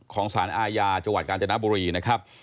สารอาญาจังหวัดกาญจนบุรีนะครับ